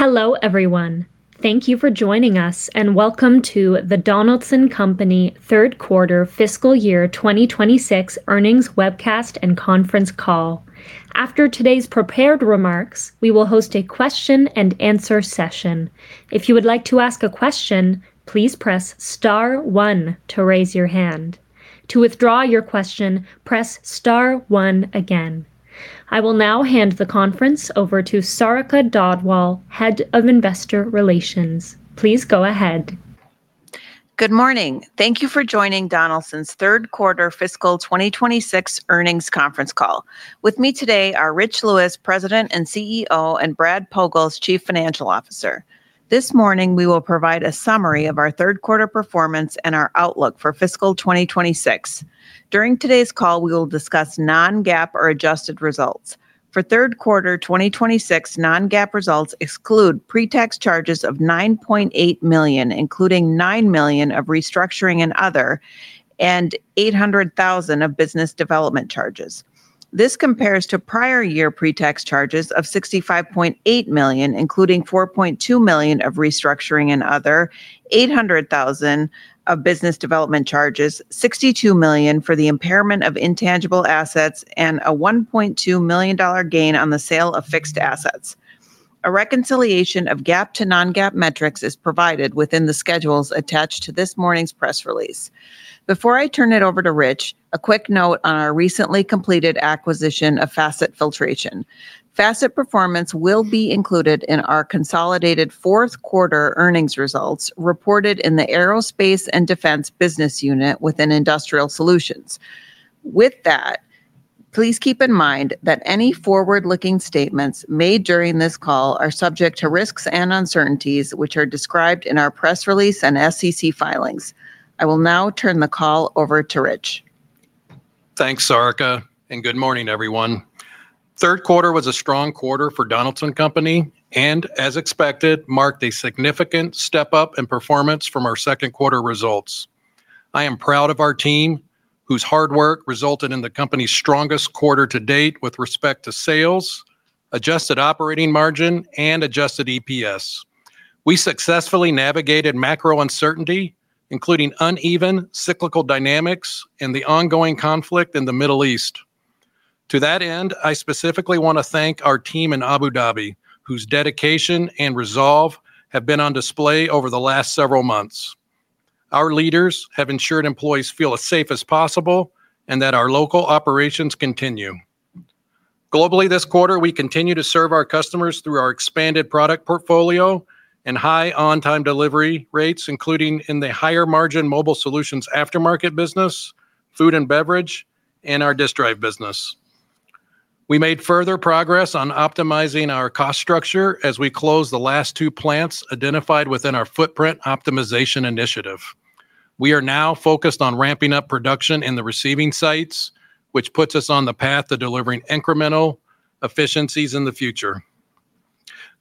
Hello, everyone. Thank you for joining us and welcome to Donaldson Company third quarter fiscal year 2026 earnings webcast and conference call. After today's prepared remarks, we will host a question and answer session. If you would like to ask a question, please press star one to raise your hand. To withdraw your question, press star one again. I will now hand the conference over to Sarika Dhadwal, Head of Investor Relations. Please go ahead. Good morning. Thank you for joining Donaldson's third quarter fiscal 2026 earnings conference call. With me today are Rich Lewis, President and CEO, and Brad Pogalz, Chief Financial Officer. This morning, we will provide a summary of our third quarter performance and our outlook for fiscal 2026. During today's call, we will discuss non-GAAP or adjusted results. For third quarter 2026, non-GAAP results exclude pre-tax charges of $9.8 million, including $9 million of restructuring and other, and $800,000 of business development charges. This compares to prior year pre-tax charges of $65.8 million, including $4.2 million of restructuring and other, $800,000 of business development charges, $62 million for the impairment of intangible assets, and a $1.2 million gain on the sale of fixed assets. A reconciliation of GAAP to non-GAAP metrics is provided within the schedules attached to this morning's press release. Before I turn it over to Rich, a quick note on our recently completed acquisition of Facet Filtration. Facet performance will be included in our consolidated fourth quarter earnings results reported in the Aerospace and Defense business unit within Industrial Solutions. With that, please keep in mind that any forward-looking statements made during this call are subject to risks and uncertainties which are described in our press release and SEC filings. I will now turn the call over to Rich. Thanks, Sarika, and good morning, everyone. Third quarter was a strong quarter for Donaldson Company and, as expected, marked a significant step-up in performance from our second quarter results. I am proud of our team, whose hard work resulted in the company's strongest quarter to date with respect to sales, adjusted operating margin, and adjusted EPS. We successfully navigated macro uncertainty, including uneven cyclical dynamics and the ongoing conflict in the Middle East. To that end, I specifically want to thank our team in Abu Dhabi, whose dedication and resolve have been on display over the last several months. Our leaders have ensured employees feel as safe as possible and that our local operations continue. Globally this quarter, we continue to serve our customers through our expanded product portfolio and high on-time delivery rates, including in the higher margin Mobile Solutions aftermarket business, food and beverage, and our disk drive business. We made further progress on optimizing our cost structure as we close the last two plants identified within our footprint optimization initiative. We are now focused on ramping up production in the receiving sites, which puts us on the path to delivering incremental efficiencies in the future.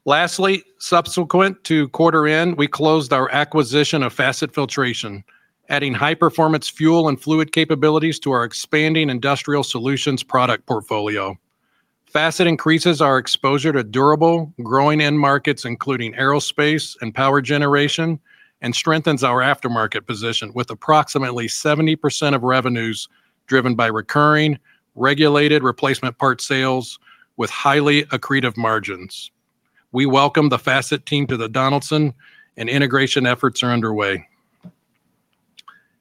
Lastly, subsequent to quarter end, we closed our acquisition of Facet Filtration, adding high performance fuel and fluid capabilities to our expanding Industrial Solutions product portfolio. Facet increases our exposure to durable growing end markets, including aerospace and power generation, and strengthens our aftermarket position with approximately 70% of revenues driven by recurring, regulated replacement part sales with highly accretive margins. We welcome the Facet team to the Donaldson and integration efforts are underway.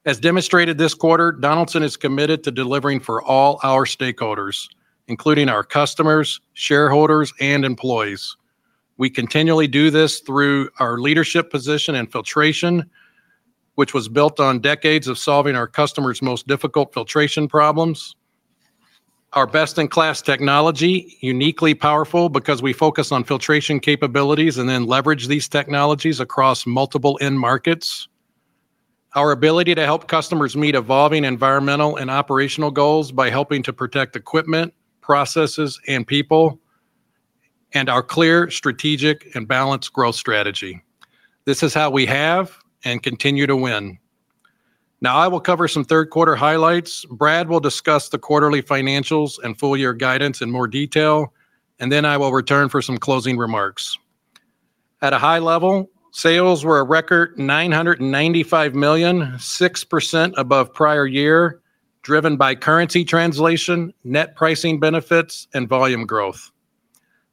As demonstrated this quarter, Donaldson is committed to delivering for all our stakeholders, including our customers, shareholders, and employees. We continually do this through our leadership position in filtration, which was built on decades of solving our customers' most difficult filtration problems, our best-in-class technology, uniquely powerful because we focus on filtration capabilities and then leverage these technologies across multiple end markets, our ability to help customers meet evolving environmental and operational goals by helping to protect equipment, processes, and people, and our clear strategic and balanced growth strategy. This is how we have and continue to win. I will cover some third quarter highlights. Brad will discuss the quarterly financials and full year guidance in more detail. I will return for some closing remarks. At a high level, sales were a record $995 million, 6% above prior year, driven by currency translation, net pricing benefits, and volume growth.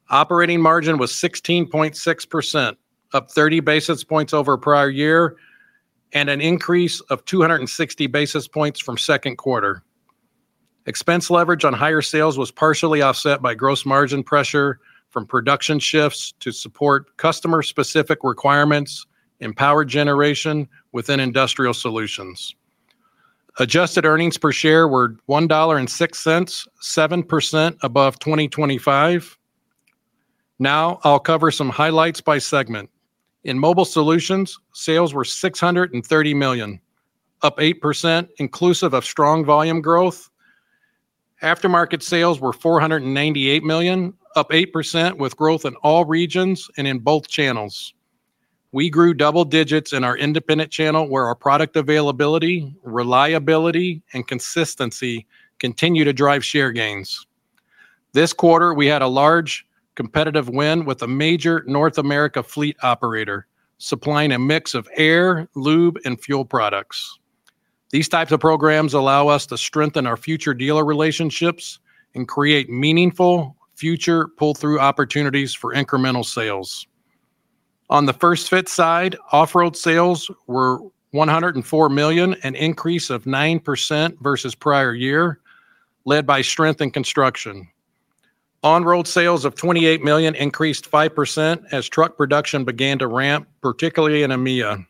Operating margin was 16.6%, up 30 basis points over prior year, and an increase of 260 basis points from second quarter. Expense leverage on higher sales was partially offset by gross margin pressure from production shifts to support customer-specific requirements in power generation within Industrial Solutions. Adjusted earnings per share were $1.06, 7% above 2025. I'll cover some highlights by segment. In Mobile Solutions, sales were $630 million, up 8% inclusive of strong volume growth. Aftermarket sales were $498 million, up 8% with growth in all regions and in both channels. We grew double digits in our independent channel, where our product availability, reliability, and consistency continue to drive share gains. This quarter, we had a large competitive win with a major North America fleet operator, supplying a mix of air, lube, and fuel products. These types of programs allow us to strengthen our future dealer relationships and create meaningful future pull-through opportunities for incremental sales. On the first fit side, off-road sales were $104 million, an increase of 9% versus prior year, led by strength in construction. On-road sales of $28 million increased 5% as truck production began to ramp, particularly in EMEA.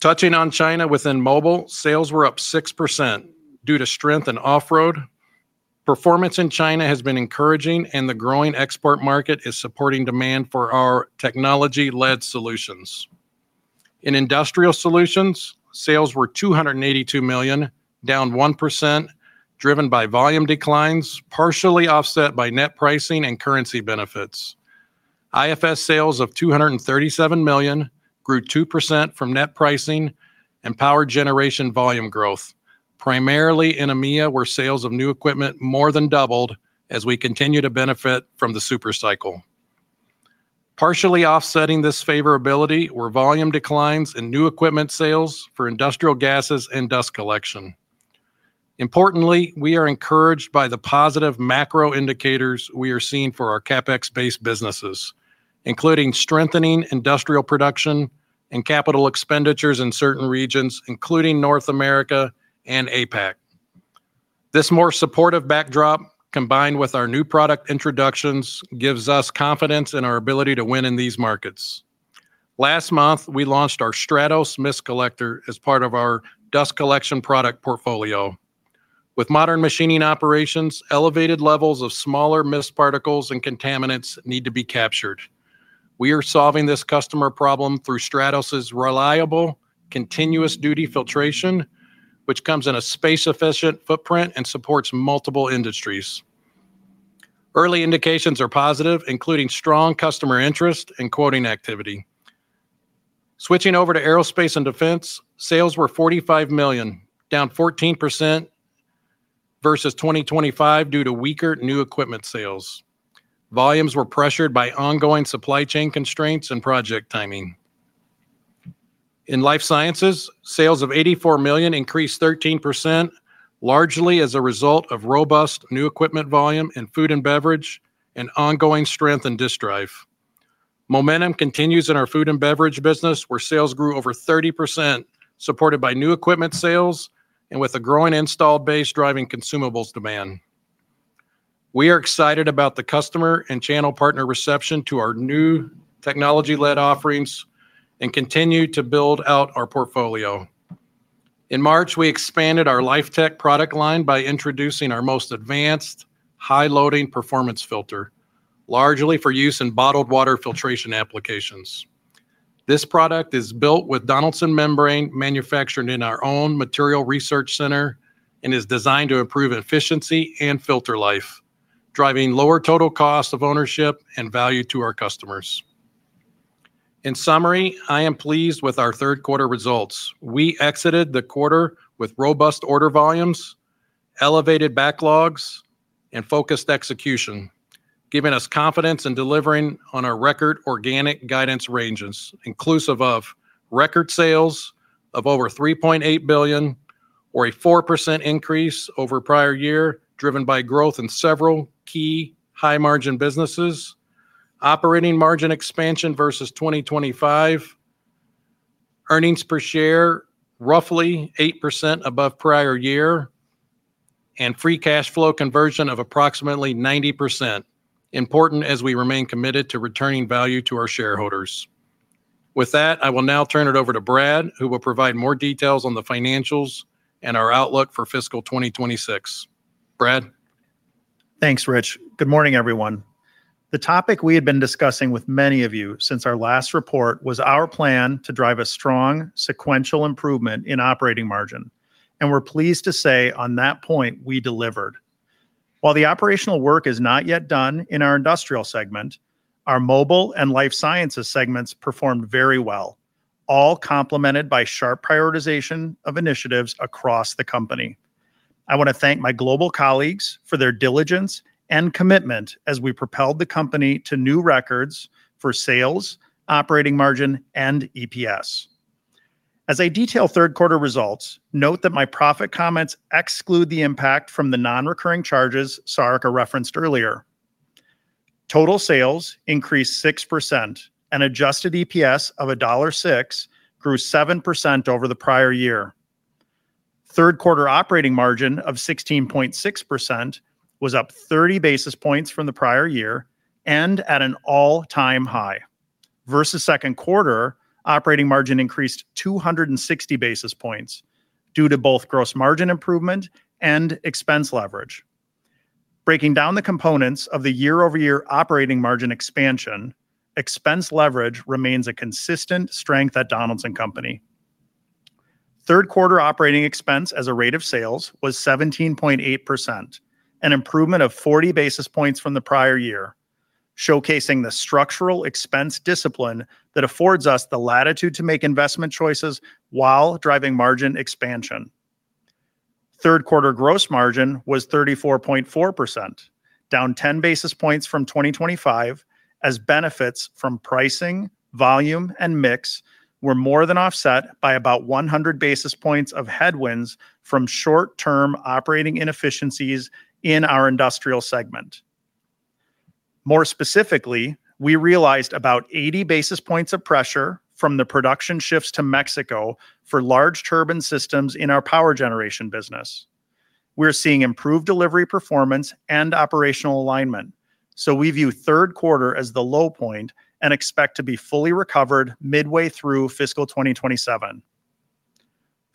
Touching on China within Mobile Solutions, sales were up 6% due to strength in off-road. Performance in China has been encouraging. The growing export market is supporting demand for our technology-led solutions. In Industrial Solutions, sales were $282 million, down 1%, driven by volume declines, partially offset by net pricing and currency benefits. IFS sales of $237 million grew 2% from net pricing and power generation volume growth, primarily in EMEA, where sales of new equipment more than doubled as we continue to benefit from the super cycle. Partially offsetting this favorability were volume declines in new equipment sales for industrial gases and dust collection. Importantly, we are encouraged by the positive macro indicators we are seeing for our CapEx-based businesses, including strengthening industrial production and capital expenditures in certain regions, including North America and APAC. This more supportive backdrop, combined with our new product introductions, gives us confidence in our ability to win in these markets. Last month, we launched our Stratos Mist Collector as part of our dust collection product portfolio. With modern machining operations, elevated levels of smaller mist particles and contaminants need to be captured. We are solving this customer problem through Stratos's reliable, continuous duty filtration, which comes in a space-efficient footprint and supports multiple industries. Early indications are positive, including strong customer interest and quoting activity. Switching over to Aerospace and Defense, sales were $45 million, down 14% versus 2025 due to weaker new equipment sales. Volumes were pressured by ongoing supply chain constraints and project timing. In Life Sciences, sales of $84 million increased 13%, largely as a result of robust new equipment volume in food and beverage and ongoing strength in disk drive. Momentum continues in our food and beverage business, where sales grew over 30%, supported by new equipment sales and with a growing installed base driving consumables demand. We are excited about the customer and channel partner reception to our new technology-led offerings and continue to build out our portfolio. In March, we expanded our LifeTec product line by introducing our most advanced high-loading performance filter, largely for use in bottled water filtration applications. This product is built with Donaldson membrane manufactured in our own material research center and is designed to improve efficiency and filter life, driving lower total cost of ownership and value to our customers. In summary, I am pleased with our third quarter results. We exited the quarter with robust order volumes, elevated backlogs, and focused execution. Giving us confidence in delivering on our record organic guidance ranges, inclusive of record sales of over $3.8 billion or a 4% increase over prior year, driven by growth in several key high-margin businesses, operating margin expansion versus 2025, earnings per share roughly 8% above prior year, and free cash flow conversion of approximately 90%, important as we remain committed to returning value to our shareholders. With that, I will now turn it over to Brad, who will provide more details on the financials and our outlook for fiscal 2026. Brad? Thanks, Rich. Good morning, everyone. The topic we had been discussing with many of you since our last report was our plan to drive a strong sequential improvement in operating margin. We're pleased to say on that point, we delivered. While the operational work is not yet done in our Industrial Solutions segment, our Mobile Solutions and Life Sciences segments performed very well, all complemented by sharp prioritization of initiatives across the company. I want to thank my global colleagues for their diligence and commitment as we propelled the company to new records for sales, operating margin, and EPS. As I detail third quarter results, note that my profit comments exclude the impact from the non-recurring charges Sarika referenced earlier. Total sales increased 6%, and adjusted EPS of $1.06 grew 7% over the prior year. Third quarter operating margin of 16.6% was up 30 basis points from the prior year and at an all-time high. Versus second quarter, operating margin increased 260 basis points due to both gross margin improvement and expense leverage. Breaking down the components of the year-over-year operating margin expansion, expense leverage remains a consistent strength at Donaldson Company. Third quarter operating expense as a rate of sales was 17.8%, an improvement of 40 basis points from the prior year, showcasing the structural expense discipline that affords us the latitude to make investment choices while driving margin expansion. Third quarter gross margin was 34.4%, down 10 basis points from 2025, as benefits from pricing, volume, and mix were more than offset by about 100 basis points of headwinds from short-term operating inefficiencies in our industrial segment. More specifically, we realized about 80 basis points of pressure from the production shifts to Mexico for large turbine systems in our power generation business. We're seeing improved delivery performance and operational alignment. We view third quarter as the low point and expect to be fully recovered midway through fiscal 2027.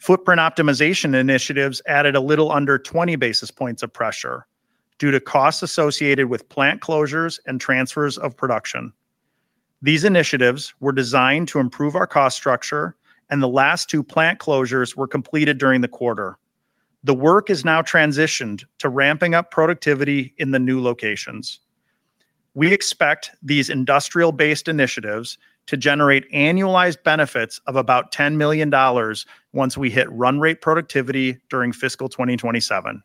Footprint optimization initiatives added a little under 20 basis points of pressure due to costs associated with plant closures and transfers of production. These initiatives were designed to improve our cost structure, and the last two plant closures were completed during the quarter. The work is now transitioned to ramping up productivity in the new locations. We expect these industrial-based initiatives to generate annualized benefits of about $10 million once we hit run rate productivity during fiscal 2027.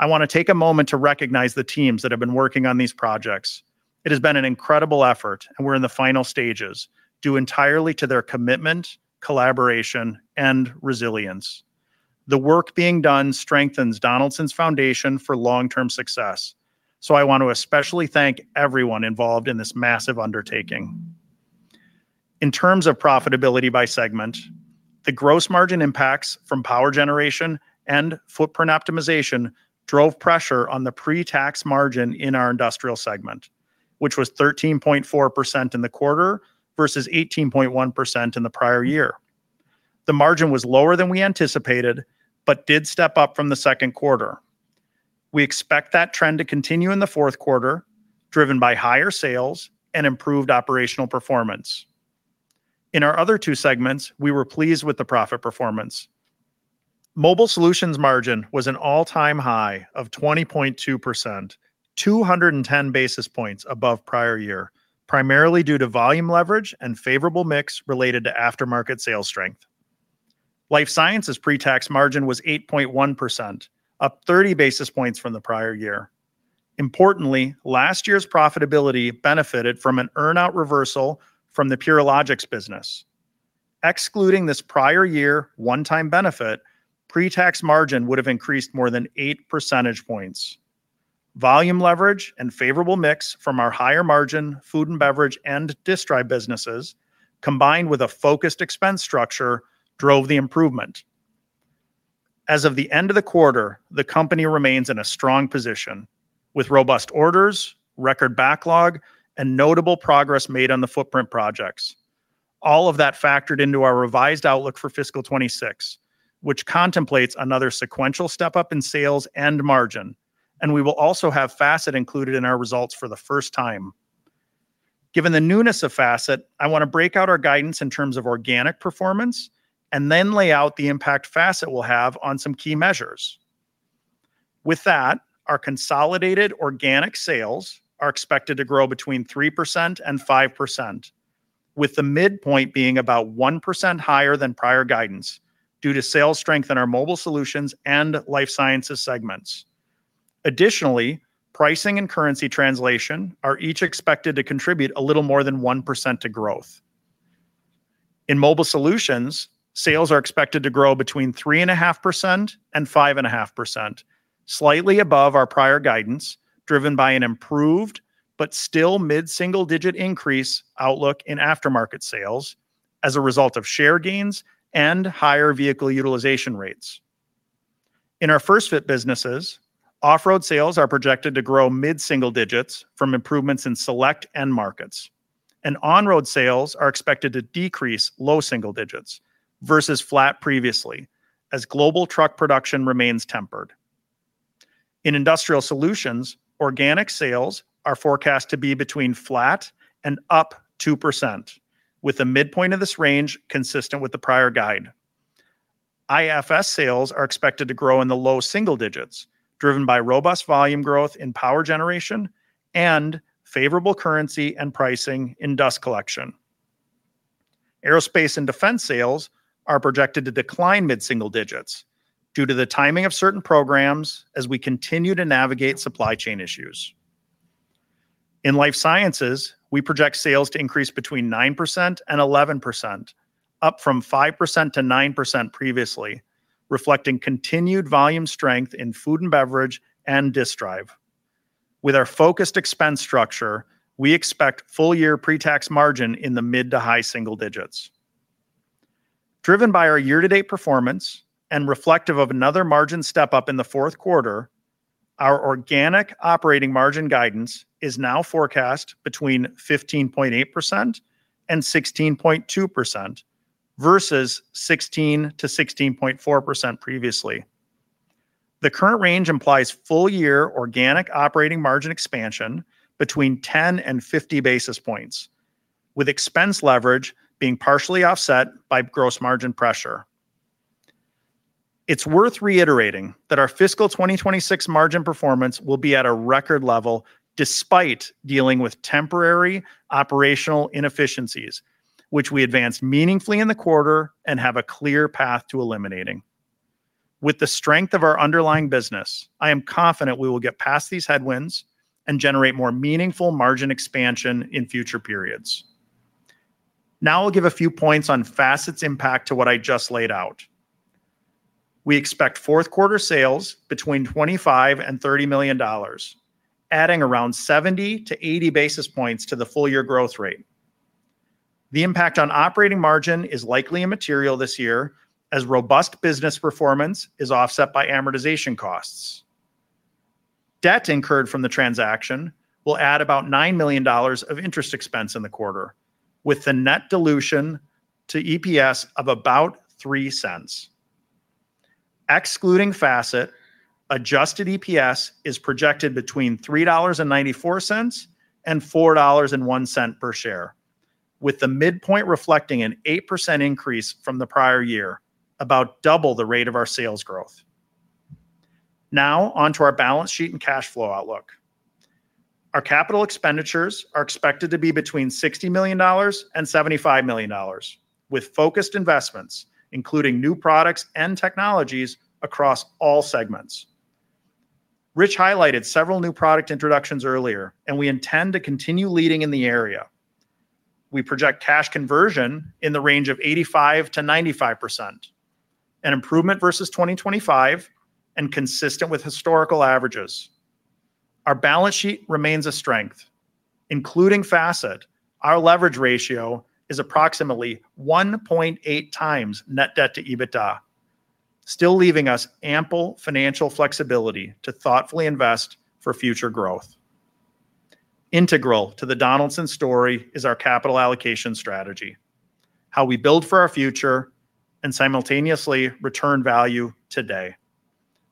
I want to take a moment to recognize the teams that have been working on these projects. It has been an incredible effort, and we're in the final stages due entirely to their commitment, collaboration, and resilience. The work being done strengthens Donaldson's foundation for long-term success. I want to especially thank everyone involved in this massive undertaking. In terms of profitability by segment, the gross margin impacts from power generation and footprint optimization drove pressure on the pre-tax margin in our industrial segment, which was 13.4% in the quarter versus 18.1% in the prior year. The margin was lower than we anticipated but did step up from the second quarter. We expect that trend to continue in the fourth quarter, driven by higher sales and improved operational performance. In our other two segments, we were pleased with the profit performance. Mobile Solutions margin was an all-time high of 20.2%, 210 basis points above prior year, primarily due to volume leverage and favorable mix related to aftermarket sales strength. Life Sciences pre-tax margin was 8.1%, up 30 basis points from the prior year. Importantly, last year's profitability benefited from an earn-out reversal from the Purilogics business. Excluding this prior year one-time benefit, pre-tax margin would have increased more than eight percentage points. Volume leverage and favorable mix from our higher margin food and beverage and disk drive businesses, combined with a focused expense structure, drove the improvement. As of the end of the quarter, the company remains in a strong position, with robust orders, record backlog, and notable progress made on the footprint projects. All of that factored into our revised outlook for fiscal 2026, which contemplates another sequential step-up in sales and margin, and we will also have Facet included in our results for the first time. Given the newness of Facet, I want to break out our guidance in terms of organic performance and then lay out the impact Facet will have on some key measures. With that, our consolidated organic sales are expected to grow between 3% and 5%, with the midpoint being about 1% higher than prior guidance due to sales strength in our Mobile Solutions and Life Sciences segments. Additionally, pricing and currency translation are each expected to contribute a little more than 1% to growth. In Mobile Solutions, sales are expected to grow between 3.5% and 5.5%, slightly above our prior guidance, driven by an improved but still mid-single-digit increase outlook in aftermarket sales as a result of share gains and higher vehicle utilization rates. In our first-fit businesses, off-road sales are projected to grow mid-single digits from improvements in select end markets. On-road sales are expected to decrease low double digits versus flat previously as global truck production remains tempered. In Industrial Solutions, organic sales are forecast to be between flat and up 2%, with the midpoint of this range consistent with the prior guide. IFS sales are expected to grow in the low single digits, driven by robust volume growth in power generation and favorable currency and pricing in dust collection. Aerospace and Defense sales are projected to decline mid-single digits due to the timing of certain programs as we continue to navigate supply chain issues. In Life Sciences, we project sales to increase between 9% and 11%, up from 5%-9% previously, reflecting continued volume strength in food and beverage and disk drive. With our focused expense structure, we expect full-year pre-tax margin in the mid to high single digits. Driven by our year-to-date performance and reflective of another margin step-up in the fourth quarter, our organic operating margin guidance is now forecast between 15.8% and 16.2%, versus 16%-16.4% previously. The current range implies full-year organic operating margin expansion between 10 and 50 basis points, with expense leverage being partially offset by gross margin pressure. It's worth reiterating that our fiscal 2026 margin performance will be at a record level despite dealing with temporary operational inefficiencies, which we advanced meaningfully in the quarter and have a clear path to eliminating. With the strength of our underlying business, I am confident we will get past these headwinds and generate more meaningful margin expansion in future periods. I'll give a few points on Facet's impact to what I just laid out. We expect fourth quarter sales between $25 million-$30 million, adding around 70-80 basis points to the full year growth rate. The impact on operating margin is likely immaterial this year, as robust business performance is offset by amortization costs. Debt incurred from the transaction will add about $9 million of interest expense in the quarter, with the net dilution to EPS of about $0.03. Excluding Facet, adjusted EPS is projected between $3.94 and $4.01 per share, with the midpoint reflecting an 8% increase from the prior year, about double the rate of our sales growth. Onto our balance sheet and cash flow outlook. Our capital expenditures are expected to be between $60 million and $75 million, with focused investments, including new products and technologies across all segments. Rich highlighted several new product introductions earlier. We intend to continue leading in the area. We project cash conversion in the range of 85%-95%, an improvement versus 2025 and consistent with historical averages. Our balance sheet remains a strength. Including Facet, our leverage ratio is approximately 1.8 times net debt to EBITDA, still leaving us ample financial flexibility to thoughtfully invest for future growth. Integral to the Donaldson story is our capital allocation strategy, how we build for our future and simultaneously return value today.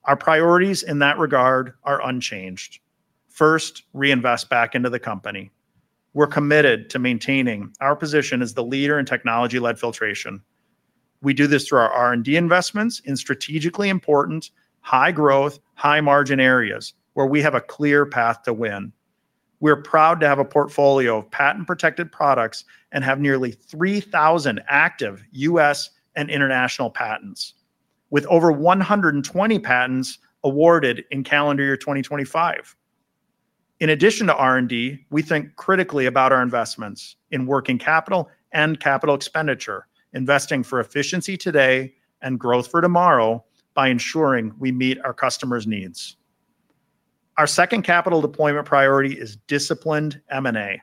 Our priorities in that regard are unchanged. First, reinvest back into the company. We're committed to maintaining our position as the leader in technology-led filtration. We do this through our R&D investments in strategically important, high growth, high margin areas where we have a clear path to win. We're proud to have a portfolio of patent protected products and have nearly 3,000 active U.S. and international patents, with over 120 patents awarded in calendar year 2025. In addition to R&D, we think critically about our investments in working capital and capital expenditure, investing for efficiency today and growth for tomorrow by ensuring we meet our customers' needs. Our second capital deployment priority is disciplined M&A.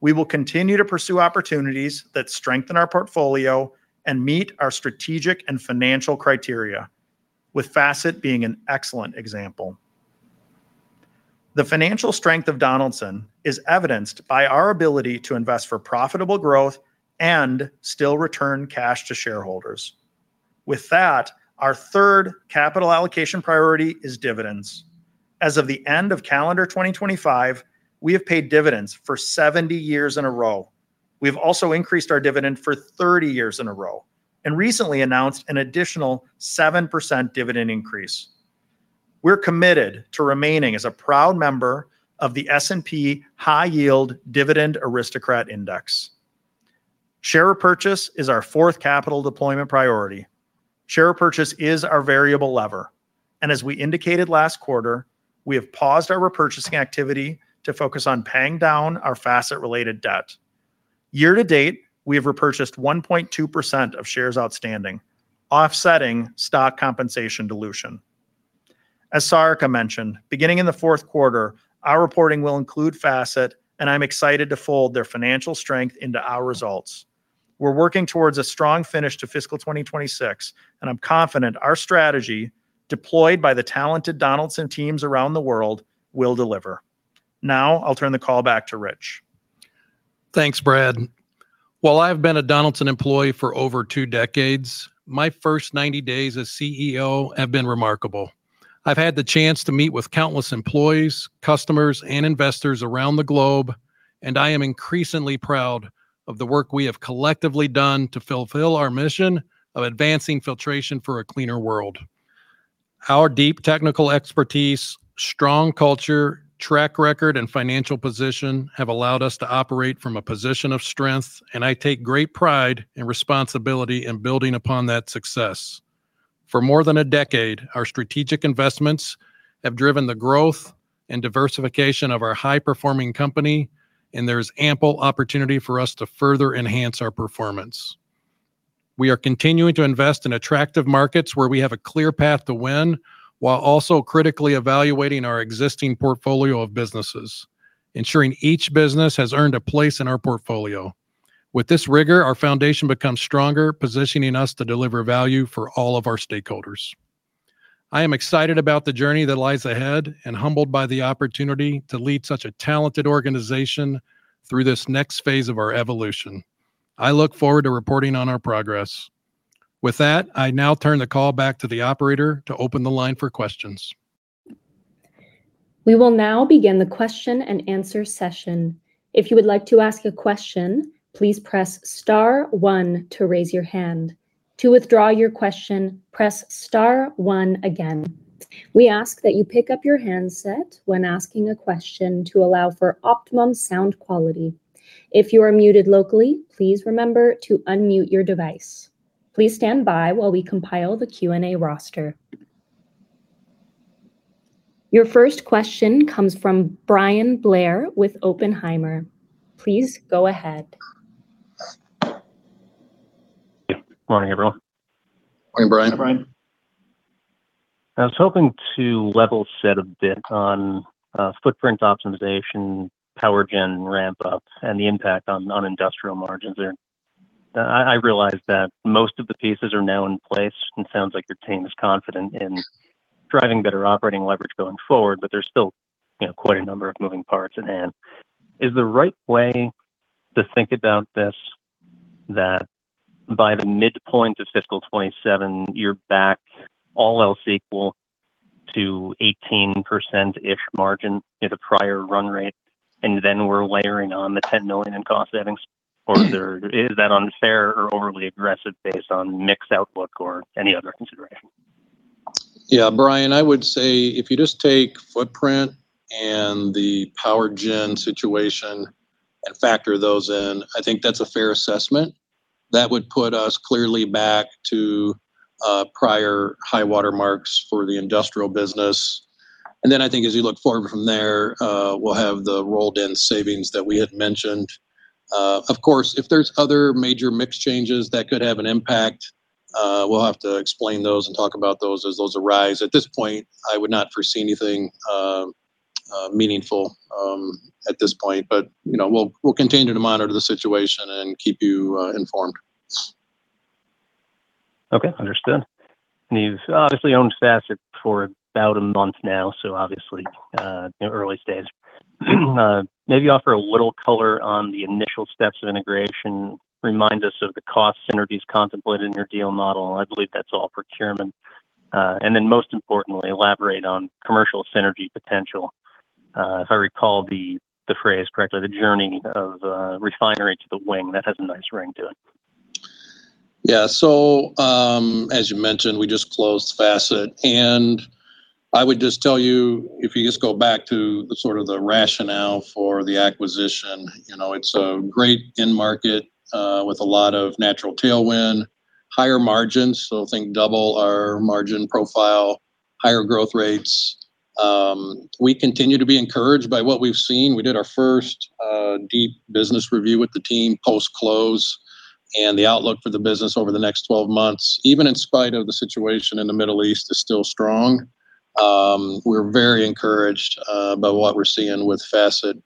We will continue to pursue opportunities that strengthen our portfolio and meet our strategic and financial criteria, with Facet being an excellent example. The financial strength of Donaldson is evidenced by our ability to invest for profitable growth and still return cash to shareholders. Our third capital allocation priority is dividends. As of the end of calendar 2025, we have paid dividends for 70 years in a row. We've also increased our dividend for 30 years in a row and recently announced an additional 7% dividend increase. We're committed to remaining as a proud member of the S&P High Yield Dividend Aristocrats Index. Share purchase is our fourth capital deployment priority. Share purchase is our variable lever, and as we indicated last quarter, we have paused our repurchasing activity to focus on paying down our Facet-related debt. Year to date, we have repurchased 1.2% of shares outstanding, offsetting stock compensation dilution. As Sarika mentioned, beginning in the fourth quarter, our reporting will include Facet, and I'm excited to fold their financial strength into our results. We're working towards a strong finish to fiscal 2026, and I'm confident our strategy, deployed by the talented Donaldson teams around the world, will deliver. I'll turn the call back to Rich. Thanks, Brad. While I've been a Donaldson employee for over two decades, my first 90 days as CEO have been remarkable. I've had the chance to meet with countless employees, customers, and investors around the globe, and I am increasingly proud of the work we have collectively done to fulfill our mission of advancing filtration for a cleaner world. Our deep technical expertise, strong culture, track record, and financial position have allowed us to operate from a position of strength, and I take great pride and responsibility in building upon that success. For more than a decade, our strategic investments have driven the growth and diversification of our high-performing company, and there is ample opportunity for us to further enhance our performance. We are continuing to invest in attractive markets where we have a clear path to win, while also critically evaluating our existing portfolio of businesses, ensuring each business has earned a place in our portfolio. With this rigor, our foundation becomes stronger, positioning us to deliver value for all of our stakeholders. I am excited about the journey that lies ahead and humbled by the opportunity to lead such a talented organization through this next phase of our evolution. I look forward to reporting on our progress. With that, I now turn the call back to the operator to open the line for questions. We will now begin the question and answer session. If you would like to ask a question, please press star one to raise your hand. To withdraw your question, press star one again. We ask that you pick up your handset when asking a question to allow for optimum sound quality. If you are muted locally, please remember to unmute your device. Please stand by while we compile the Q&A roster. Your first question comes from Bryan Blair with Oppenheimer. Please go ahead. Good morning, everyone. Morning, Bryan. Morning, Bryan. I was hoping to level set a bit on footprint optimization, power gen ramp-up, and the impact on non-industrial margins there. I realize that most of the pieces are now in place, and sounds like your team is confident in driving better operating leverage going forward, but there's still quite a number of moving parts at hand. Is the right way to think about this that by the midpoint of fiscal 2027, you're back, all else equal, to 18%-ish margin at a prior run rate, and then we're layering on the $10 million in cost savings? Or is that unfair or overly aggressive based on mix outlook or any other consideration? Yeah, Bryan, I would say if you just take footprint and the power gen situation and factor those in, I think that's a fair assessment. That would put us clearly back to prior high water marks for the industrial business. Then I think as you look forward from there, we'll have the rolled-in savings that we had mentioned. Of course, if there's other major mix changes that could have an impact, we'll have to explain those and talk about those as those arise. At this point, I would not foresee anything meaningful at this point. We'll continue to monitor the situation and keep you informed. Okay. Understood. You've obviously owned Facet for about a month now, so obviously in early stages. Maybe offer a little color on the initial steps of integration. Remind us of the cost synergies contemplated in your deal model. I believe that's all procurement. Most importantly, elaborate on commercial synergy potential. If I recall the phrase correctly, the journey of refinery to the wing, that has a nice ring to it. As you mentioned, we just closed Facet. I would just tell you, if you just go back to the rationale for the acquisition, it's a great end market with a lot of natural tailwind, higher margins. Think double our margin profile, higher growth rates. We continue to be encouraged by what we've seen. We did our first deep business review with the team post-close. The outlook for the business over the next 12 months, even in spite of the situation in the Middle East, is still strong. We're very encouraged by what we're seeing with Facet.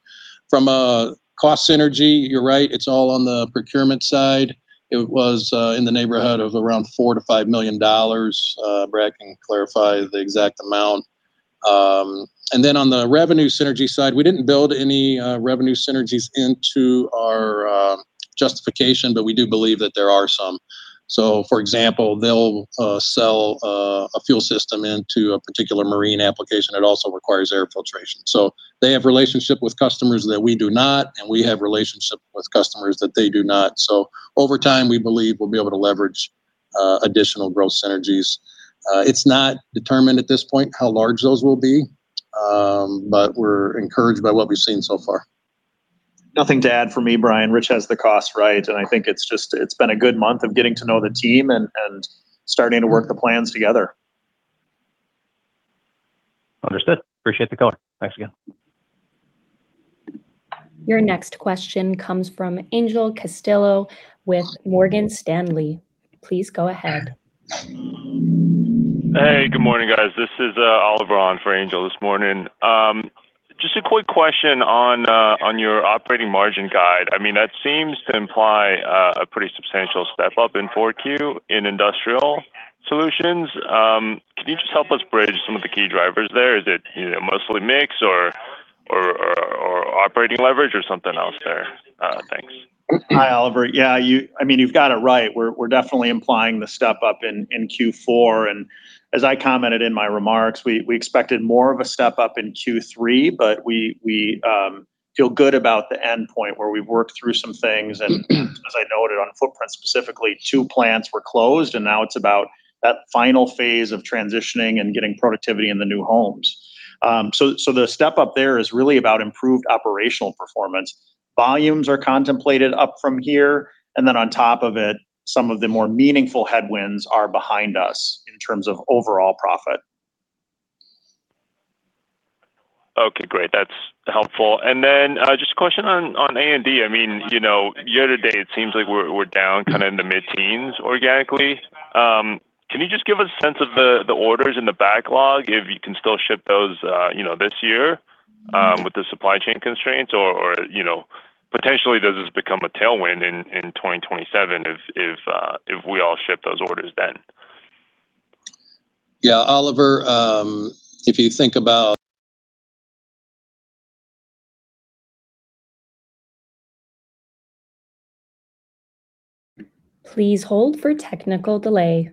From a cost synergy, you're right, it's all on the procurement side. It was in the neighborhood of around $4 million-$5 million. Brad can clarify the exact amount. Then on the revenue synergy side, we didn't build any revenue synergies into our justification, but we do believe that there are some. For example, they'll sell a fuel system into a particular marine application that also requires air filtration. They have relationship with customers that we do not, and we have relationship with customers that they do not. Over time, we believe we'll be able to leverage additional growth synergies. It's not determined at this point how large those will be, but we're encouraged by what we've seen so far. Nothing to add from me, Bryan. Rich has the cost right. I think it's been a good month of getting to know the team and starting to work the plans together. Understood. Appreciate the color. Thanks again. Your next question comes from Angel Castillo with Morgan Stanley. Please go ahead. Hey, good morning, guys. This is Oliver on for Angel this morning. Just a quick question on your operating margin guide. That seems to imply a pretty substantial step-up in 4Q in Industrial Solutions. Can you just help us bridge some of the key drivers there? Is it mostly mix or operating leverage or something else there? Thanks. Hi, Oliver. You've got it right. We're definitely implying the step-up in Q4, and as I commented in my remarks, we expected more of a step-up in Q3, but we feel good about the endpoint where we've worked through some things. As I noted on footprint specifically, two plants were closed, and now it's about that final phase of transitioning and getting productivity in the new homes. The step-up there is really about improved operational performance. Volumes are contemplated up from here. On top of it, some of the more meaningful headwinds are behind us in terms of overall profit. Okay, great. That's helpful. Then just a question on A&D. Year to date, it seems like we're down in the mid-teens organically. Can you just give us a sense of the orders in the backlog, if you can still ship those this year with the supply chain constraints? Potentially, does this become a tailwind in 2027 if we all ship those orders then? Yeah. Oliver, if you think about. Please hold for technical delay.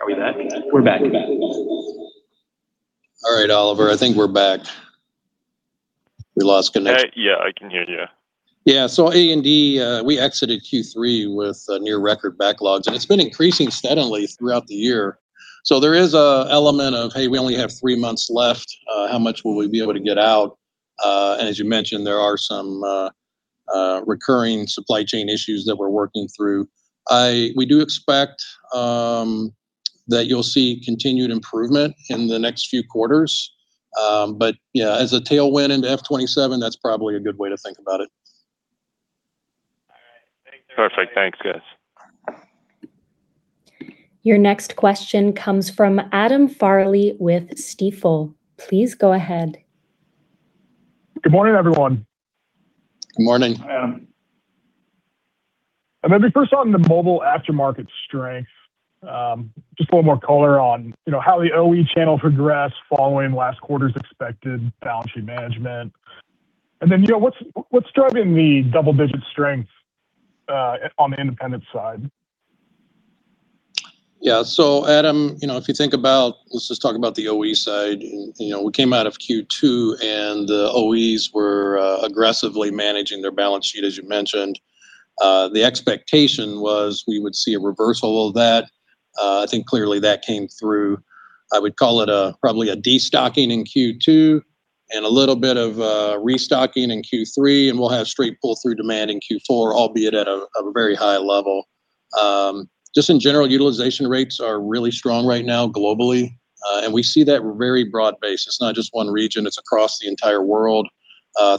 All right. Are we back? We're back. All right, Oliver, I think we're back. We lost connection. Yeah, I can hear you. Yeah. A&D, we exited Q3 with near record backlogs, and it's been increasing steadily throughout the year. There is an element of, "Hey, we only have three months left. How much will we be able to get out?" As you mentioned, there are some recurring supply chain issues that we're working through. We do expect that you'll see continued improvement in the next few quarters. Yeah, as a tailwind into FY 2027, that's probably a good way to think about it. Perfect. Thanks, guys. Your next question comes from Adam Farley with Stifel. Please go ahead. Good morning, everyone. Good morning. Hi, Adam. Maybe first on the mobile aftermarket strength, just a little more color on how the OE channel progressed following last quarter's expected balance sheet management. Then what's driving the double-digit strength on the independent side? Adam, let's just talk about the OE side. We came out of Q2. The OEs were aggressively managing their balance sheet, as you mentioned. The expectation was we would see a reversal of that. I think clearly that came through. I would call it probably a destocking in Q2 and a little bit of restocking in Q3. We'll have straight pull-through demand in Q4, albeit at a very high level. Just in general, utilization rates are really strong right now globally. We see that very broad-based. It's not just one region, it's across the entire world,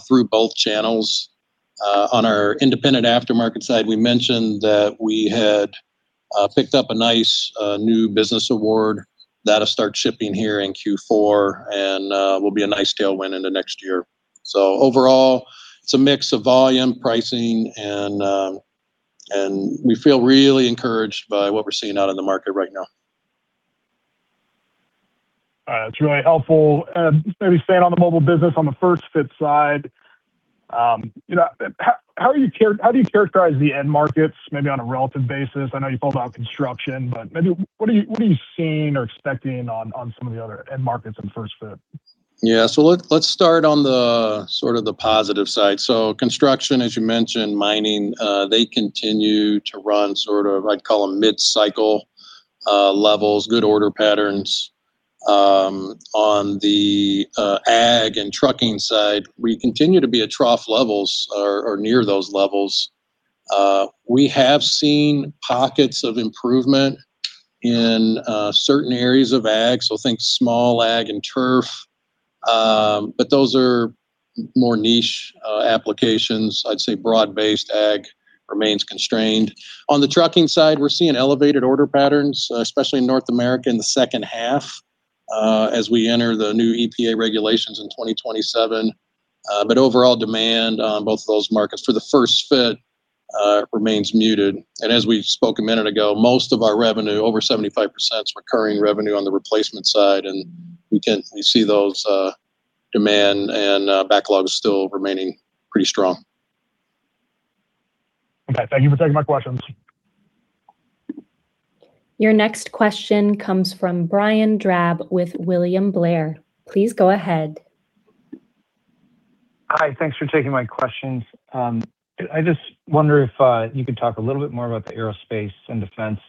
through both channels. On our independent aftermarket side, we mentioned that we had picked up a nice new business award that'll start shipping here in Q4 and will be a nice tailwind into next year. Overall, it's a mix of volume pricing, and we feel really encouraged by what we're seeing out in the market right now. All right. That's really helpful. Maybe staying on the mobile business on the first-fit side. How do you characterize the end markets, maybe on a relative basis? I know you pulled out construction, maybe what are you seeing or expecting on some of the other end markets in first fit? Yeah. Let's start on the positive side. Construction, as you mentioned, mining, they continue to run sort of, I'd call them mid-cycle levels, good order patterns. On the ag and trucking side, we continue to be at trough levels or near those levels. We have seen pockets of improvement in certain areas of ag. Think small ag and turf. Those are more niche applications. I'd say broad-based ag remains constrained. On the trucking side, we're seeing elevated order patterns, especially in North America in the second half, as we enter the new EPA regulations in 2027. Overall demand on both of those markets for the first fit remains muted. As we spoke a minute ago, most of our revenue, over 75%, is recurring revenue on the replacement side, and we see those demand and backlogs still remaining pretty strong. Okay. Thank you for taking my questions. Your next question comes from Brian Drab with William Blair. Please go ahead. Hi. Thanks for taking my questions. I just wonder if you could talk a little bit more about the Aerospace and Defense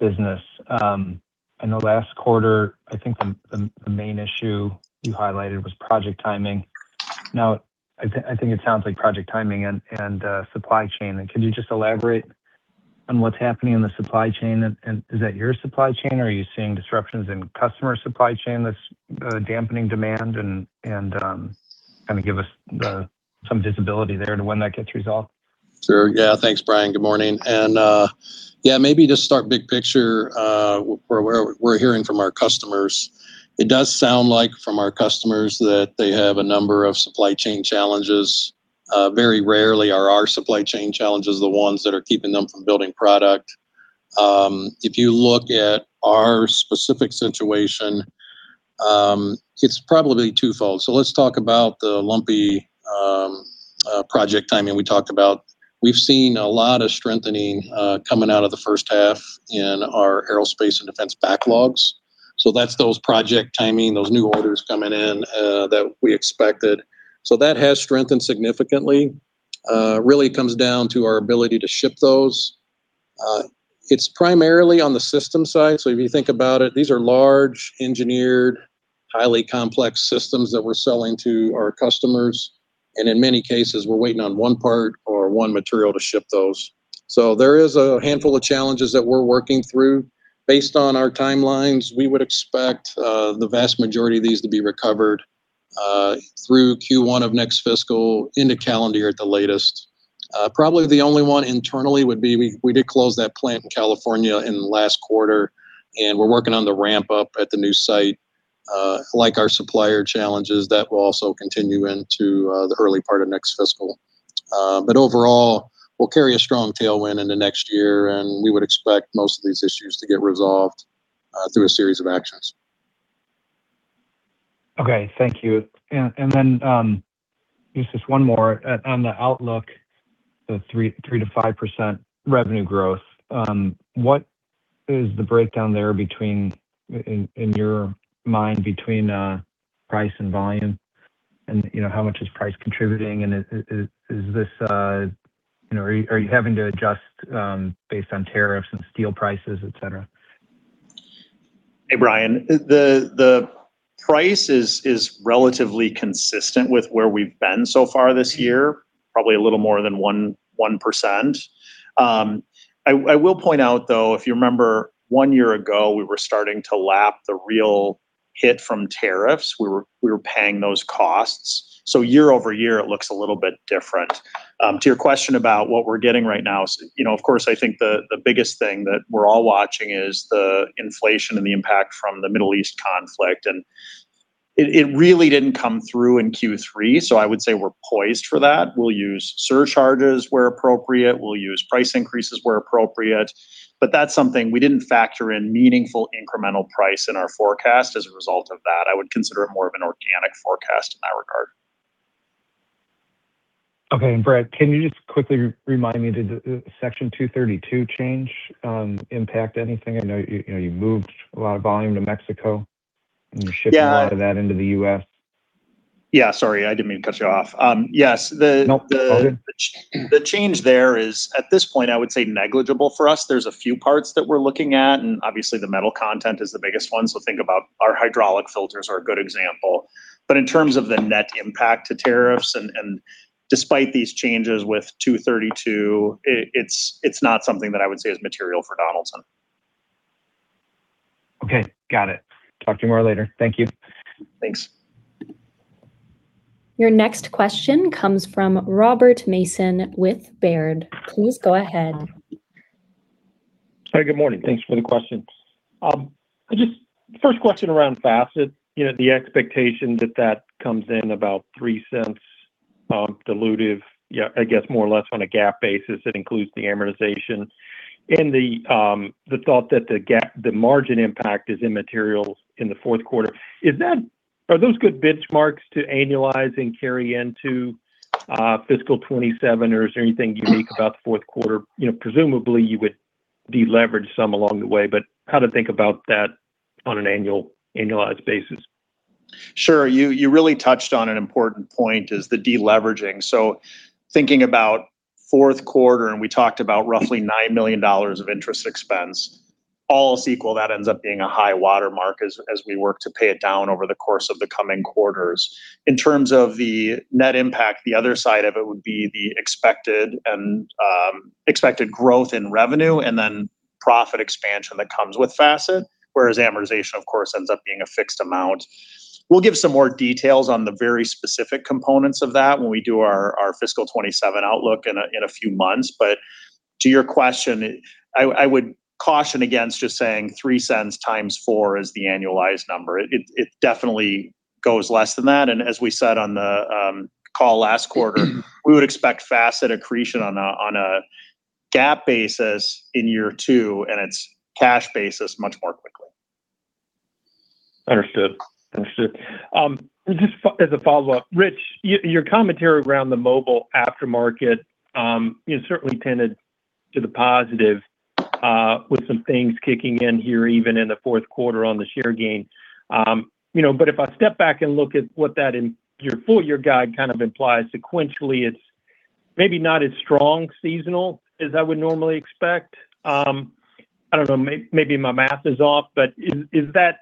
business. In the last quarter, I think the main issue you highlighted was project timing. Now, I think it sounds like project timing and supply chain. Could you just elaborate on what's happening in the supply chain? Is that your supply chain, or are you seeing disruptions in customer supply chain that's dampening demand? Kind of give us some visibility there to when that gets resolved. Sure. Yeah. Thanks, Brian. Good morning. Yeah, maybe just start big picture, where we're hearing from our customers. It does sound like from our customers that they have a number of supply chain challenges. Very rarely are our supply chain challenges the ones that are keeping them from building product. If you look at our specific situation, it's probably twofold. Let's talk about the lumpy project timing we talked about. We've seen a lot of strengthening coming out of the first half in our Aerospace and Defense backlogs. That's those project timing, those new orders coming in that we expected. That has strengthened significantly. Really comes down to our ability to ship those. It's primarily on the system side. If you think about it, these are large, engineered, highly complex systems that we're selling to our customers, and in many cases, we're waiting on one part or one material to ship those. There is a handful of challenges that we're working through. Based on our timelines, we would expect the vast majority of these to be recovered through Q1 of next fiscal into calendar at the latest. Probably the only one internally would be, we did close that plant in California in the last quarter, and we're working on the ramp-up at the new site. Like our supplier challenges, that will also continue into the early part of next fiscal. Overall, we'll carry a strong tailwind into next year, and we would expect most of these issues to get resolved through a series of actions. Okay. Thank you. Just one more. On the outlook, the 3%-5% revenue growth, what is the breakdown there in your mind between price and volume? How much is price contributing, and are you having to adjust based on tariffs and steel prices, et cetera? Hey, Brian. The price is relatively consistent with where we've been so far this year, probably a little more than 1%. I will point out, though, if you remember one year ago, we were starting to lap the real hit from tariffs. We were paying those costs. Year-over-year, it looks a little bit different. To your question about what we're getting right now, of course, I think the biggest thing that we're all watching is the inflation and the impact from the Middle East conflict. It really didn't come through in Q3, so I would say we're poised for that. We'll use surcharges where appropriate. We'll use price increases where appropriate. That's something we didn't factor in meaningful incremental price in our forecast as a result of that. I would consider it more of an organic forecast in that regard. Okay. Brad, can you just quickly remind me, did Section 232 change impact anything? I know you moved a lot of volume to Mexico and you're shipping a lot of that into the U.S. Yeah, sorry. I didn't mean to cut you off. Yes. Nope. All good. The change there is, at this point, I would say negligible for us. There's a few parts that we're looking at, and obviously the metal content is the biggest one, so think about our hydraulic filters are a good example. In terms of the net impact to tariffs, and despite these changes with 232, it's not something that I would say is material for Donaldson. Okay. Got it. Talk to you more later. Thank you. Thanks. Your next question comes from Rob Mason with Baird. Please go ahead. Hi. Good morning. Thanks for the questions. First question around Facet. The expectation that that comes in about $0.03 dilutive, I guess more or less on a GAAP basis that includes the amortization and the thought that the margin impact is immaterial in the fourth quarter. Are those good benchmarks to annualize and carry into FY 2027, or is there anything unique about the fourth quarter? Presumably, you would deleverage some along the way, but how to think about that on an annualized basis? Sure. You really touched on an important point, is the deleveraging. Thinking about fourth quarter, and we talked about roughly $9 million of interest expense. All else equal, that ends up being a high watermark as we work to pay it down over the course of the coming quarters. In terms of the net impact, the other side of it would be the expected growth in revenue and then profit expansion that comes with Facet, whereas amortization, of course, ends up being a fixed amount. We'll give some more details on the very specific components of that when we do our fiscal 2027 outlook in a few months. To your question, I would caution against just saying $0.03 times 4 is the annualized number. It definitely goes less than that. As we said on the call last quarter, we would expect Facet accretion on a GAAP basis in year two, and it's cash basis much more quickly. Understood. Just as a follow-up, Rich, your commentary around the mobile aftermarket certainly tended to the positive with some things kicking in here, even in the fourth quarter on the share gain. If I step back and look at what that in your full-year guide kind of implies sequentially, it's maybe not as strong seasonal as I would normally expect. I don't know, maybe my math is off, is that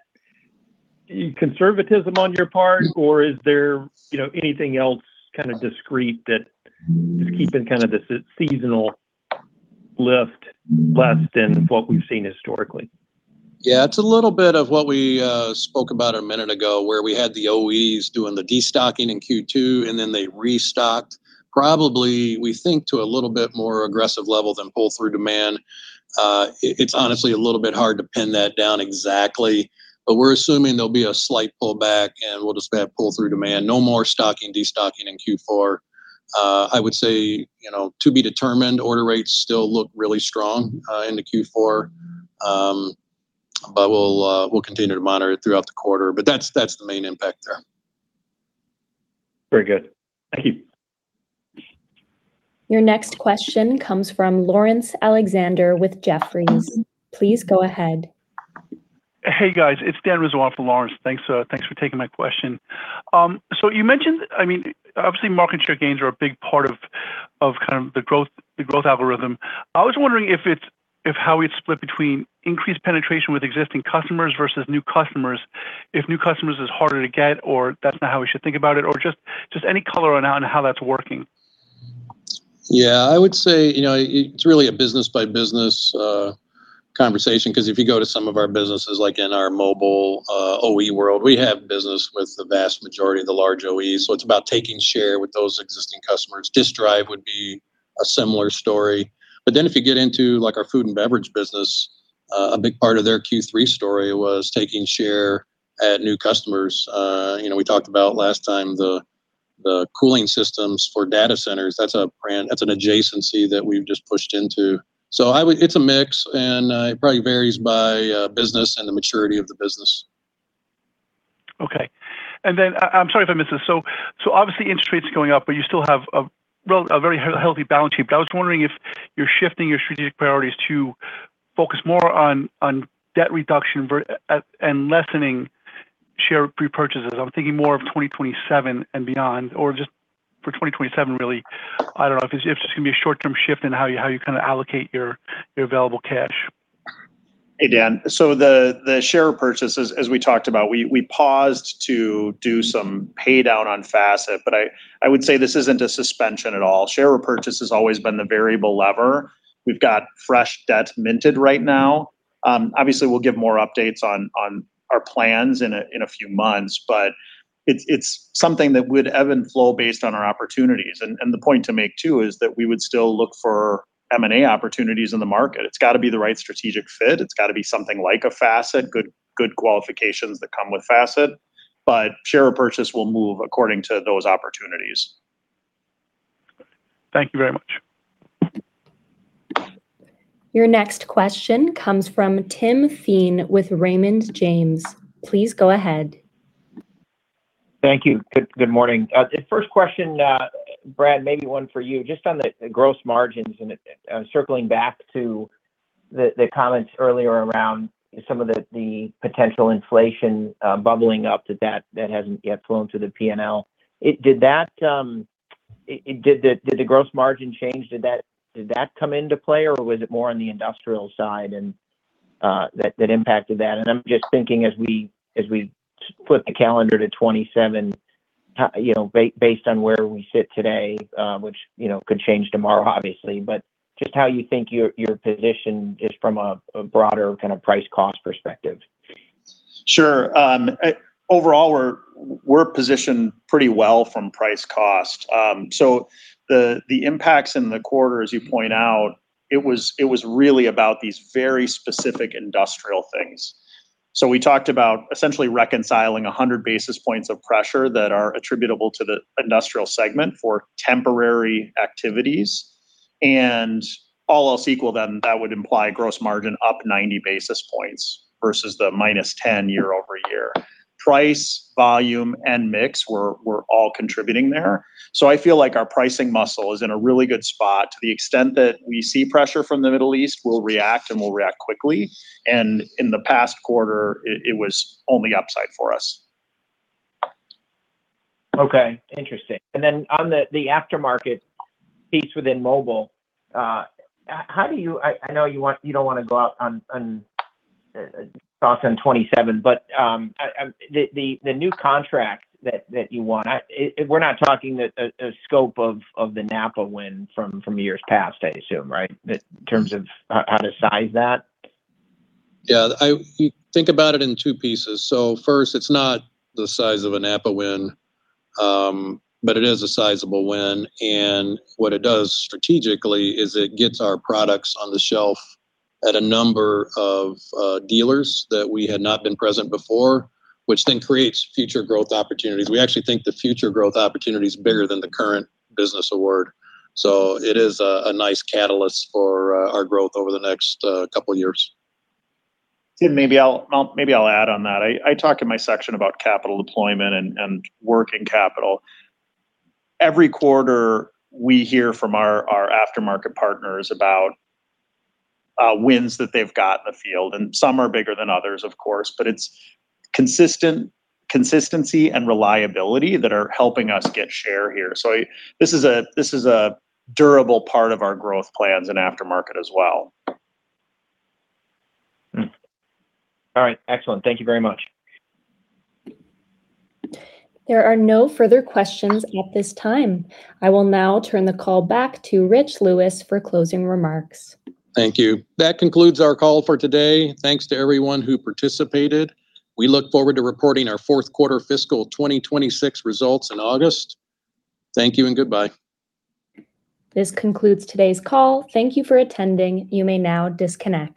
conservatism on your part, or is there anything else kind of discrete that is keeping kind of this seasonal lift less than what we've seen historically? Yeah. It's a little bit of what we spoke about a minute ago, where we had the OEs doing the destocking in Q2. They restocked probably, we think, to a little bit more aggressive level than pull-through demand. It's honestly a little bit hard to pin that down exactly. We're assuming there'll be a slight pullback and we'll just have pull-through demand. No more stocking, destocking in Q4. I would say, to be determined. Order rates still look really strong into Q4. We'll continue to monitor it throughout the quarter. That's the main impact there. Very good. Thank you. Your next question comes from Laurence Alexander with Jefferies. Please go ahead. Hey, guys. It's Dan Rizzo on for Laurence. Thanks for taking my question. You mentioned, obviously, market share gains are a big part of kind of the growth algorithm. I was wondering how it's split between increased penetration with existing customers versus new customers, if new customers is harder to get, or that's not how we should think about it, or just any color on how that's working. Yeah, I would say, it's really a business by business conversation. If you go to some of our businesses, like in our Mobile Solutions OE world, we have business with the vast majority of the large OEs, it's about taking share with those existing customers. Disk drive would be a similar story. If you get into our food and beverage business, a big part of their Q3 story was taking share at new customers. We talked about last time the cooling systems for data centers. That's an adjacency that we've just pushed into. It's a mix, and it probably varies by business and the maturity of the business. Okay. I'm sorry if I missed this. Obviously interest rates are going up, but you still have a very healthy balance sheet. I was wondering if you're shifting your strategic priorities to focus more on debt reduction and lessening share repurchases. I'm thinking more of 2027 and beyond, or just for 2027, really. I don't know if it's just going to be a short-term shift in how you kind of allocate your available cash. Hey, Dan. The share purchases, as we talked about, we paused to do some pay-down on Facet, but I would say this isn't a suspension at all. Share repurchase has always been the variable lever. We've got fresh debt minted right now. Obviously, we'll give more updates on our plans in a few months. It's something that would ebb and flow based on our opportunities. The point to make, too, is that we would still look for M&A opportunities in the market. It's got to be the right strategic fit. It's got to be something like a Facet, good qualifications that come with Facet. Share purchase will move according to those opportunities. Thank you very much. Your next question comes from Tim Thein with Raymond James. Please go ahead. Thank you. Good morning. First question, Brad, maybe one for you. Just on the gross margins and circling back to the comments earlier around some of the potential inflation bubbling up that hasn't yet flown to the P&L. Did the gross margin change, did that come into play, or was it more on the industrial side that impacted that? I'm just thinking as we flip the calendar to 2027, based on where we sit today, which could change tomorrow, obviously, but just how you think your position is from a broader kind of price cost perspective. Sure. Overall, we're positioned pretty well from price cost. The impacts in the quarter, as you point out, it was really about these very specific industrial things. We talked about essentially reconciling 100 basis points of pressure that are attributable to the Industrial segment for temporary activities, and all else equal, then that would imply gross margin up 90 basis points versus the -10 year-over-year. Price, volume, and mix were all contributing there. I feel like our pricing muscle is in a really good spot. To the extent that we see pressure from the Middle East, we'll react, and we'll react quickly. In the past quarter, it was only upside for us. Okay. Interesting. Then on the aftermarket piece within Mobile, I know you don't want to go out on thoughts on 2027, but the new contract that you won, we're not talking the scope of the NAPA win from years past, I assume, right? In terms of how to size that. Yeah, I think about it in two pieces. First, it's not the size of a NAPA win, but it is a sizable win. What it does strategically is it gets our products on the shelf at a number of dealers that we had not been present before, which then creates future growth opportunities. We actually think the future growth opportunity is bigger than the current business award. It is a nice catalyst for our growth over the next couple of years. Tim, maybe I'll add on that. I talk in my section about capital deployment and working capital. Every quarter, we hear from our aftermarket partners about wins that they've got in the field. Some are bigger than others, of course. It's consistency and reliability that are helping us get share here. This is a durable part of our growth plans in aftermarket as well. All right. Excellent. Thank you very much. There are no further questions at this time. I will now turn the call back to Rich Lewis for closing remarks. Thank you. That concludes our call for today. Thanks to everyone who participated. We look forward to reporting our fourth quarter fiscal 2026 results in August. Thank you and goodbye. This concludes today's call. Thank you for attending. You may now disconnect.